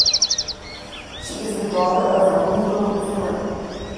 She is the daughter of Raimundo Ferreira.